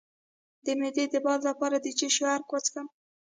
د معدې د باد لپاره د څه شي عرق وڅښم؟